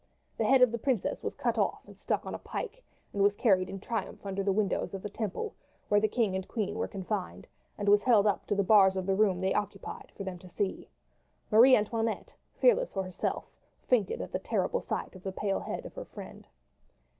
The head of the princess was cut off and stuck upon a pike, and was carried in triumph under the windows of the Temple, where the king and queen were confined, and was held up to the bars of the room they occupied for them to see. Marie Antoinette, fearless for herself, fainted at the terrible sight of the pale head of her friend.